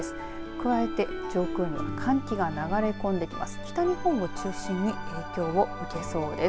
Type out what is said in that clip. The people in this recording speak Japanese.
加えて、上空に寒気が流れ込んできます。